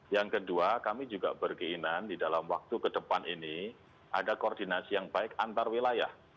yang kedua kami juga berkeinan di dalam waktu ke depan ini ada koordinasi yang baik antar wilayah